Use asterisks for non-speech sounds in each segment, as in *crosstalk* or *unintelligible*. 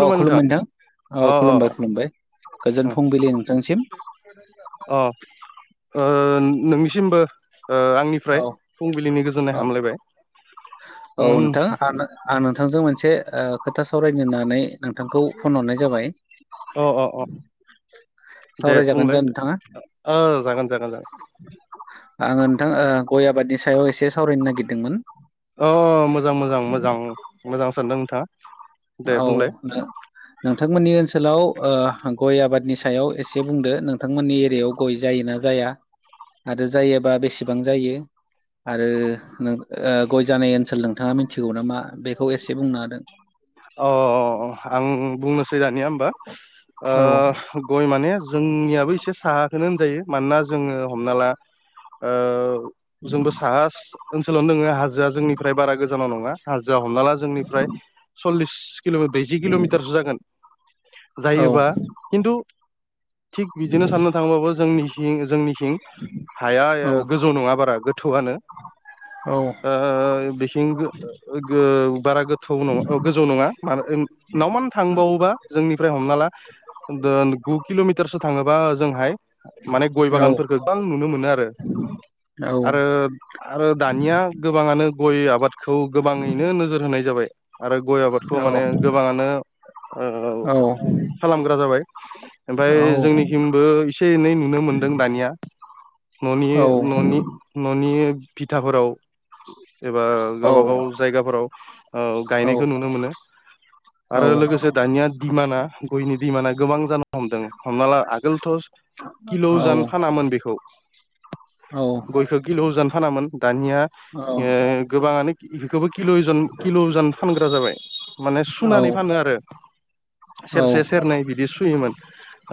औ खुलुमबाय नोंथां अ औ खुलुमबाय अ खुलुमबाय गोजोन फुंबिलि नोंथांसिम अ नोंनिसिमबो आंनि ओफ्राय औ फुंबिलिनि गोजोननाय औ हामलायबाय औ नोंथां आं आं नोंथांजों मोनसे खोथा सावरायनो होननानै नोंथांखौ फन हरनाय जाबाय अ अ अ दे सावरायजागोन बुंलाय दा होनदो नोंथाङा जागोन जागोन जागोन आङो नोंथां गय आबादनि सायाव एसे सावरायनो नागिरदोंमोन अ मोजां मोजां मोजां मोजां सानदों नोंथाङा दे औ बुंलाय दे। नोंथांमोननि ओनसोलाव ओ गय आबादनि सायाव एसे बुंदो नोंथांमोननि एरियायाव गय जायोना जाया आरो जायोबा बेसेबां जायो? आरो गय जानाय ओनसोल नोंथाङा मिथिगौ नामा बेखौ एसे बुंनो हादों। अ आं बुंनोसै दानिया होमबा औ ओ गय माने जोंनियाबो एसे साहा होनो होनजायो मानोना जोङो हमना ला ओ जोंबो साहास ओनसोलावनो नोङो हाजोआ जोंनिफ्राय बारा गोजानाव नङा हाजोआ हमना ला जोंनिफ्राय सल्लिस कल' बैज कि'मिटारस जागोन। जायोबा खिन्थु थिग बिदिनो साननो थांबाबो जोंनि जोंनि हिं हाया औ गोजौ नङा बारा गोथौआनो। औ। आ बेंखिं बारा गोथौ नङा गोजौ नङा मानो नावमान थांबावोबा जोंनिफ्राय हमना ला गु किल'मिटारसो थाङोबा जोंहाय माने औ गय बागानफोरखौ गोबां नुनो मोनो आरो आरो आरो दानिया गोबाङानो गय आबादखौ गोबाङैनो नोजोर होनाय जाबाय। आरो गय आबादखौ माने गोबाङानो ओ खालामग्रा जाबाय ओमफफ्राय जोंनिसिमबो एसे एनै नुनो मोनदों दानिया। न'नि न'नि न'नि बिथिथाफोराव एबा गावबा गाव जायगाफोराव औ गायनायखौ नुनो मोनो आरो लोगोसे दानिया खिसुमाना गयनि दि माने गोबां जान हमदों हमना ला आगोलथ' किल' जानो फानामोन बेखौ। गयखौ गिल जानो फानामोन दानिया गोबाङानो बेबोिल किल'जन फानग्रा जाबाय माने सुनानै फानो आरो। सेरसे सेरनै बिदि सुयोमोन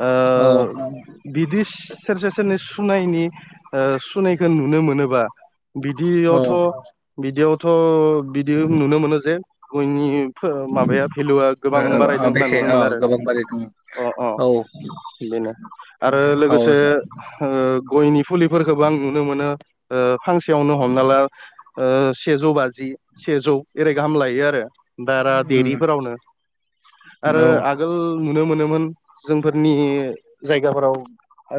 ओ बिदि सेरसे सेरनै सुनायनि सुनायखौ नुनो मोनोबा बिदियावथ' बिदियावथ' बिदि नुनो मोनो जे गयनि माबाया भेलुआ गोबां बारायदों होनना बेसे नुनो औ मोनो आरो गोबां बारि दङ अ अ। औ बेनो आरो औ लोगोसे औ ओ गयनि फुलिफोरखौबो आं नुनो मोनो ओ फांसेयावनो हमना ला ओ सेजौ बाजि सेजौ एओरै गाहाम लायो आरो। बारा देरिफोरावनो आरोल आगोल नुनो मोनोमोन जोंफोरनि जायगाफोराव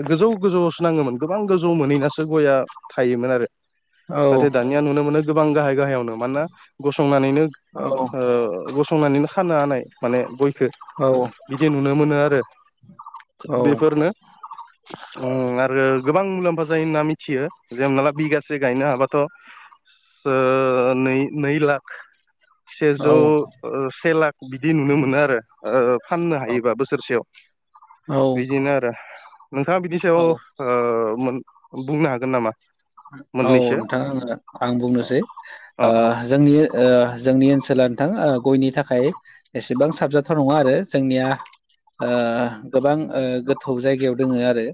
गोजौ गोजौसो नाङोमोन गोबां गोजौ मोनहैनासो गआ थायोमोन आरो। नाथाय दानिया नुनो मोनो गोबां गाहाय गाहायावनो। मानोना गसंनानैनो गसंनानैनो खानो हानाय माने गयखौ। बिदि नुनो मोनो आरो बेफोरनो उ आरो गोबां मुलाम्फा जायो होनना मिथियो जे हना ला बिगासे गायनो हाबाथ' नै नै लाख औ सेजौ से लाख बिदि नुनो मोनो आरो फाननो हायोबा बोसोरसेयाव। औ बिदिनो आरो नोंथाङा बिदि औ सायाव मोन बुंनो हागोन नामा औ मोननैसो नोंथां आङो आं बुंनोसै। अ अ जोंनि जोंनि ओनसोला नोंथां गयनि थाखाय एसेबां साबजाथाव नङा आरो जोंनिया गोबां गोथौ जायगायाव दोङो आरो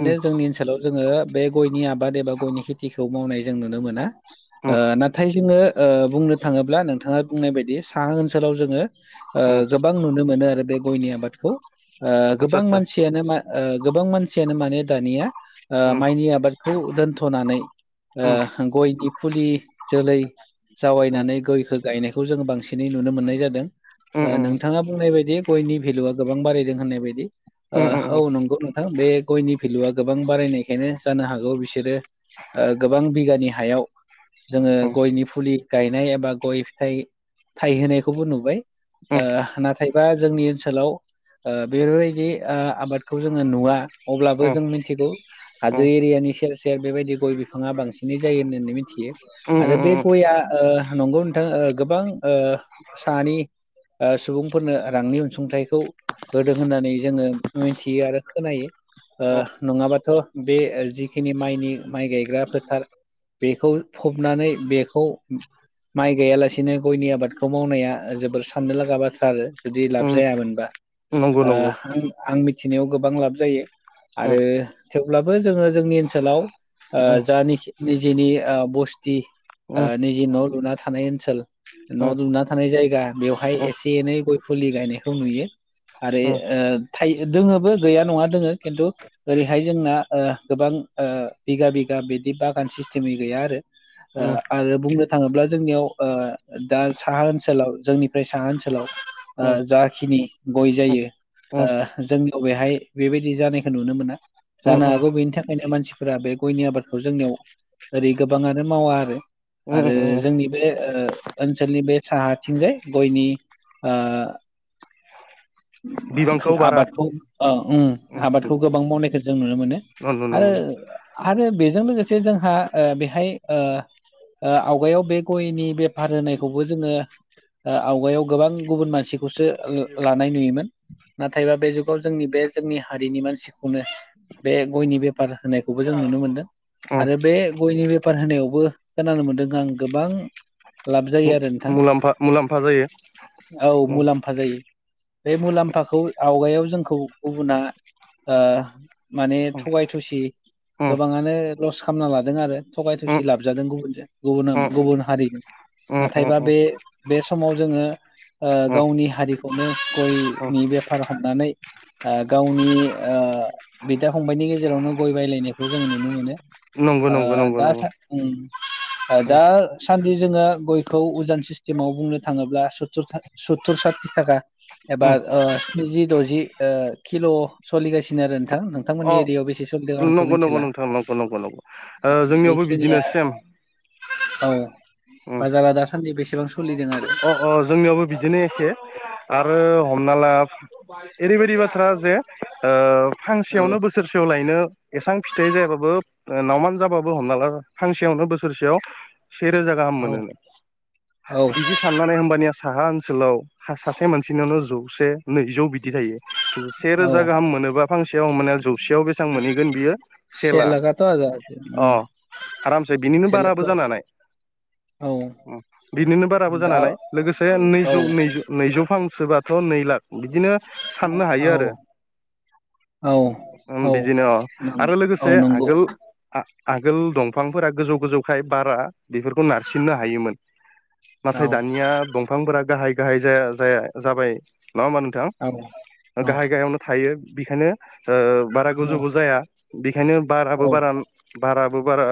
उम जोंनि ओनसोलाव जोङो बे गयनि आबाद बाद एबा गयनि खेथिखौ मावनाय जों नुनो मोना उम नाथाय नाथाय जोङो बुंनो थाङोब्ला नोंथाङा बुंनाय बायदि साहा ओनसोलाव जोङो उम गोबां नुनो मोनो आरो बे गयनि आबादखौ आतसा गोबां आतसा मानसि गोबां मानसियानो माने दानिया उम माइनि आबाद खौ दोनथ'नानै उम गयनि फुलि जोलै उम जावैनानै गयखौ गायनायखौ जोंङो बांसिनै नुनो मोननाय जादों। उम नोंथांङा बुंनाय बायदि गयनि भेलुआ गोबां बारायदों होननाय बायदि? उम उम औ नंगौ नोंथां बे गयनि भेलुआ गोबां बारायनायखायनो जानो हागौ बिसोरो। गोबां बिगानि हायाव जोंङो गयनि फुलि गायनाय एबा गय फिथाइ थाइहोनायखौबो नुबाय नाथाय नाथायबा जोंनि ओनसोलाव बेफोरबायदि आबाद खौ जोंङो नुवा अब्लाबो जों मिथिगौ हाजो एरियानि सेर सेर बेबायदि गय बिफांङा बांसिनै जायो होननानै मिथियो। आरो बे उम उम गय नंगौ नोंथां गोबां सानि सुबुंफोरनो रांनि अनसुंथाइखौ होदों होननानै जोंङो मिथियो आरो खोनायो। उम नंङाबाथ' बे जिखिनि माइनि माइ गायग्रा फोथार बेखौ फबनानै बेखौ माइ गायालासिनो गयनि आबादखौ मावनाया जोबोर साननो लागा बाथ्रा आरो। जुदि लाब उम जायामोनबा नंगौ आं नंगौ आं मिथिनायाव गोबां लाब जायो उम आरो थेवब्लाबो जोंङो जोंनि ओनसोलाव ओं उम जा नाखि निजेनि बस्त उम निजे न' लुना थानाय ओनसोल न' लुना थानाय जायगा बेवहाय उम एसे एनै गय फुलि गायनायखौ नुयो। आरो उम थाइ दोङोबो गैया नंङा दोंङो खिन्थु। ओरैहाय जोंना गोबां बिगा बिगा बिदि बागान सिस्टेमै गैया आरो। उम आरो बुंनो थांङोब्ला जोंनियाव दा साहा ओनसोलाव जोंनिफ्राय साहा ओनसोलाव। जाखिनि गय जायो। उम जोंनियाव बेेहाय बेबायदि जानायखौ नुनो मोना उम जानो हागौ बेनि थाखायनो मानसि फोरा बे गयनि आबादखौ जोंनियाव ओरै गोबांङानो मावा आरो। उम आरो उम जोंनि बे ओनसोलनि बे साहाथिंजाय गयनि बिबांखौ बारा आबादखौ उम उम आबादखौ गोबां मावनायखौ जों नुनो मोनो। नुनो आरो मोनो। आरो बेजों लोगोसे जोंहा बेहाय आवगायाव बे गयनि बेफार होनायखौबो जोंङो। आवगायाव गोबां गुबुन मानसिखौसो लानाय नुयोमोन। नाथायबा बे जुगाव जोंनि बे जोंनि हारिनि मानसिखौनो। बे गयनि बेफार होनायखौबो जों नुनो मोनदों। उम आरो बे गयनि बेफार होनायावबो खोनानो मोनदों आं गोबां लाब जायो आरो नोंथां मुलाम्फा मुलाम्फा जायो औ उम मुलाम्फा जायो। बे मुलाम्फाखौ आवगायाव जोंखौ गुबुन। माने उम थगाय थसि उम गोबांङानो लस खालामना लादों आरो थगाय उम थसि लाबजादों गुबुनजों। गुबुन उम गुबुन हारिजों उम नाथायबा उम बे बे समाव जोंङो उम गावनि हारिखौ उम गयनि बेफार हमनानै गावनि बिदा फंबाइनि गेजेरावनो गय' बायलायनायखौ जों नुनो मोनो। नंगौ नंगौ ओं नंगौ नंगौ दा उम दासान्दि जोंङो गयखौ उजन सिस्टेमाव बुंनो थांङोब्ला सुत्तुर। सतुर सातिथाखा उम एबा स्निजि द'जि किल' सोलिगासिनो आरो नोंथां। अ नोंथांमोननि एरियायाव बेसे। आंथ' नंगौ नंगौ मिथिला नोंथां नंगौ नंगौ नंगौ ओ जोंनियावबो बेखिनिया बिदिनो सेम औ उम बाजारा दासान्दि बेसेबां सोलिदों आरो। अ अ जोंनियावबो बिदिनो एखे आरो हमना ला ओरैबायदि बाथ्रा जे औ फांसेयावनो बोस सोरयाव लायनो एसां फिथाइ जायाबाबो। ओ नावमान जाबाबो हमना ला फांसेयावनो बोसोरसेयाव सेे रोजा गाहाम औ मोनोनो। औ बिदि साननानै होमबानिया साहा ओनसोलाव सा-सासे मानसिनयावनो जौसे नैजौ बिदि थायो। से रोजा औ गाहाम मोनोबा फांसेयाव ओमबानिया जौसेयाव बेस सां मोनहैगोन बियो से लाक लाखाथ' आजा उम अ आरामसे बिनिनो से बाराबो लाखखौ जानानै औ उम बिनिनो बार राबो जाना दा हानाय लोगोसे औ नैजौ नैजौ फांसोबाथ' नै लाख बिदिनो। साननो हायो आरो। औ उम औ औ बिदिनो अ नों आरो लोगोसे औ नंगौ आगोल आगोल दंफांफोरा गोजौ गोजौखाय बारा बेफोरखौ नारसिननो हायोमोन नाथाय औ दानिया दंफांफोरा गाहाय गाहाय जाया-जाया जाबाय नङा होमबा नोंथां औ औ गाहाय गाहायावनो थायो बिखायनो ओ बारा औ गोजौबो जाया बेखायनो बाराबो बारान बाराबो बारा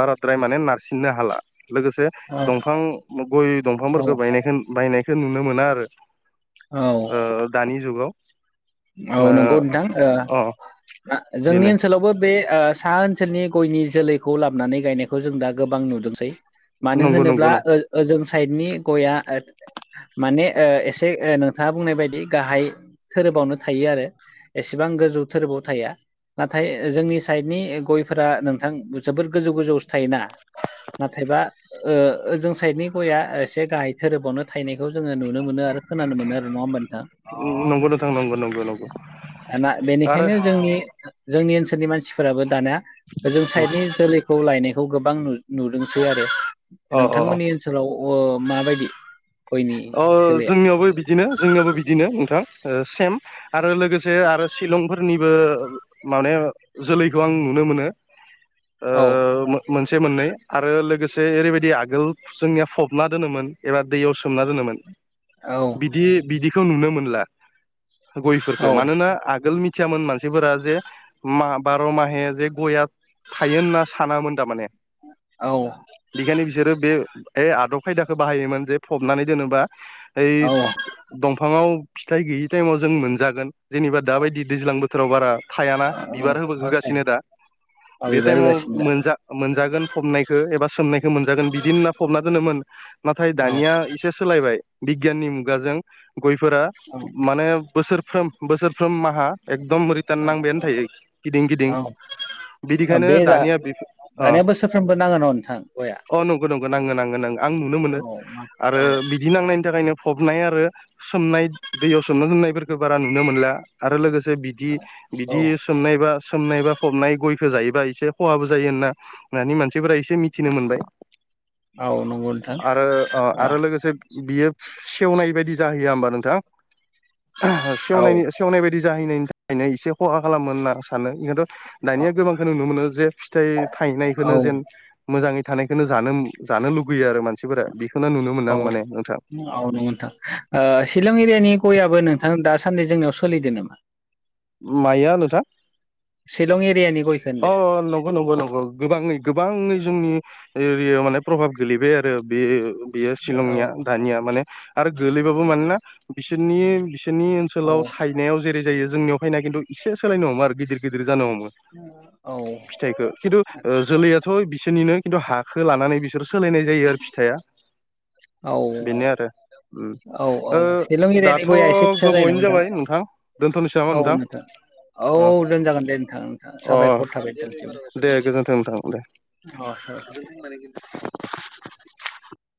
बाराद्राय माने नारसिननो हाला लोगोसे औ दंफां गय औ दंफांफोरखौ बायनायखोन बायनायखो नुनो मोना आरो औ ओ दानि जुगाव औ नंगौ नोंथां ओ आ जोंनि बेनो ओनसोलावबो बे सा ओ सोलनि गयनि जोलैखौ लाबोनानै गायनायखौ जों दा गोबां नुदोंसै मानो नंगौ नंगौ होनोब्ला ओ ओजों साइडनि गया ओ माने ओ एसे ओ नोंथाङा बुंनाय बायदि गाहाय थोरोबावनो थायो आरो एसेबां गोजौ थोरोबाव थाया नाथाय जोंनि साइडनि गयफोरा नोंथां जोबोद गोजौ गोजौवावसो थायोना नाथायबा ओ ओजों साइडनि गया एसे गाहाय थोरोबावनो थायनायखौ जोङो नुनो मोनो आरो खोनानो मोनो आरो नङा होमबा नोंथां नंगौ नोंथां नंगौ नंगौ नंगौ आना आरो बेनिखायनो जोंनि जोंनि ओनसोलनि मानसि फोराबो दाना ओजों साइडनि जोलैखौ लायनायखौ गोबां नु नुदोंसै आरो अ नोंथांमोननि ओनसोलाव ओ माबायदि गयनि ओ जोलैया जोंनियावबो बि दिनो जोंनियावबो बिदिनो नोंथां ओ सेम आरो लोगोसे आरो शिलंफोरनिबो माने जोलैखौ आं नुनो मोनो औ ओ मोनसे मोननै आरो लोगोसे ओरैबायदि आगोल जोंनिया फबना दोनोमोन एबा दैयाव सो सोमना दोनोमोन औ बिदि बिदिखौ नुनो मोनला गयफोरखो औ मानोना आगोल मि थियामोन मानसिफोरा जे मा बार' माहे जे गया थायो होनना सानामोन तामाने औ बेखायनो बिसोरो बे ए आदब खायदाखो बाहायोमोन जे फबनानै दोनोबा ओइ औ दंफाङाव फिथाइ गैयि टाइमाव जों मोनजागोन जेनेबा दाबायदि दैज्लां बोथोराव बारा थायाना बिबार होबो औ होगासिनो दा औ बे बिबार टाइमाव होगासिनो दा मोनजा मोनजागोन फबनायखो एबा सोमनायखो मोनजागोन बिदि होनना फबना दोनोमोन नाथाय औ दानिया इसे सोलायबाय बिगियाननि मुगाजों गयफोरा औ माने बोसोरफ्रोम बोसोरफ्रोम माहा एकदम रिटार्न औ नांबायानो थायो गिदिं गिदिं औ ओ बिदिखायनो बे जा दानिया बे दानिया बोसोरफ्रोमबो नाङो न' नोंथां गया अ नंगो नंगो नाङो नाङो नाङो आं नुनो मोनो *unintelligible* आरो बिदि नांनायनि थाखायनो फबनाय आरो सोमनाय दैयाव सोमना दोननायफोरखो बारा नुनो मोनला आरो लोगो से औ बिदि-बिदि सोमनाय बा सोमनाय बा फबनाय गय खौ जायोबा इसे खहाबो जायो होनना दानि मानसिफोरा इसे मिथिनो मोनबाय। औ नंगौ नोंथां आरो ओ औ आरो लोगोसे बियो सेवनाय बादि जाहैया होमबा नोंथां औ सेवनायनि सेवनाय बायदि जाहैनायनि थाखायनो इसे खहा खालामो होनना आं सानो खिनथु औ दानिया गोबांखो नुनो मोनो जे फिथाइ औ थायनायखोनो जेन मोजाङै थानायखोनो जानो-जानो लुगैयो आरो मानसिफोरा बे खोनो नुनो मोनो आं माने नोंथां औ *unintelligible* ओ शिलं एरियानि गयाबो नोंथां दासान्दि जोंनियाव सोलिदो नामा? माया नोंथां? शिलं एरियानि गयखौ अ होनदो नंगौ नंगौ नंगौ गोबाङै गोबाङै जोंनि एरियाव माने प्रभाब गोलैबाय आरो बे बेयो औ शिलंनिया दानिया माने आरो गोलैबाबो मानोना बिसोरनि बिसोरनि ओनसो औ ओनसोलाव थायनायाव जेरै जायो जोंनियाव फायना खिन्थु एसे सोलायनो हमो आरो गिदिर गिदिर जानो हमो। औ फिथाइखौ खिन्थु जोलैयाथ' बिसोरनिनो खिन्थु हाखौ लानानै बिसोर सोलायनाय जायो आरो फिथाइआ औ उम औ औ ओ शिलं एरिनि दाथ' गया एसे फिसा जायो गोबावैनो नामा नोंथां जाबाय दोनथ'नोसै नामा औ नोंथां औ अ दोनजागोन दे नोंथां। अ साबायखर थाबाय नोंथांसिम अ दे गोजोनथों नोंथां दे। साबायखर।